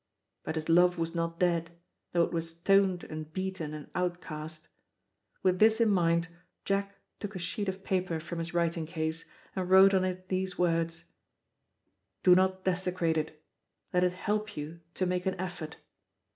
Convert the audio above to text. But his love was not dead, though it was stoned and beaten and outcast. With this in mind Jack took a sheet of paper from his writing case, and wrote on it these words: "Do not desecrate it; let it help you to make an effort."